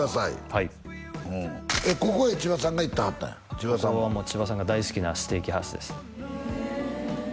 はいここへ千葉さんが行ってはったんやここは千葉さんが大好きなステーキハウスです